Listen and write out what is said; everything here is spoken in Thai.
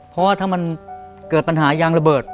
เพราะว่าถ้ามันเกิดปัญหายางระเบิด